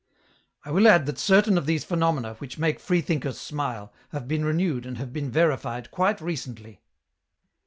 " 1 will add that certain of these phenomena, which make freethinkers smile, have been renewed and have been veri fied quite recently.